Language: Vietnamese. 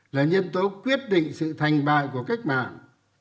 là nhân tố quyết định sự thành bại của cách mạng